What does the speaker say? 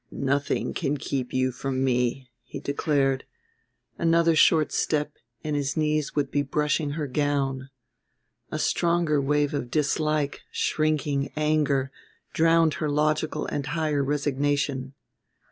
"Nothing can keep you from me," he declared. Another short step and his knees would be brushing her gown. A stronger wave of dislike, shrinking, anger, drowned her logical and higher resignation.